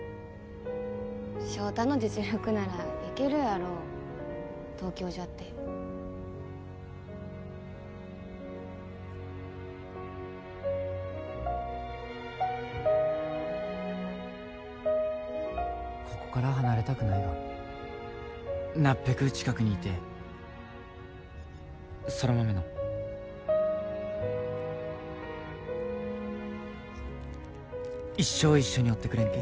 翔太の実力なら行けるやろ東京じゃってここから離れたくないがなっべく近くにいてえ空豆の一生一緒におってくれんけ？